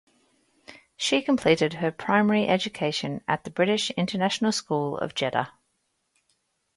She completed her primary education at the British International School of Jeddah.